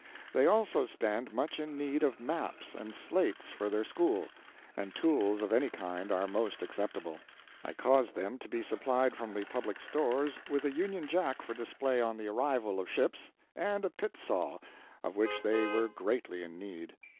They also stand much in need of maps and slates for their school, and tools of any kind are most acceptable. I caused them to be supplied from the public stores with a Union jack for display on the arrival of ships, and a pit saw, of which they were greatly in need.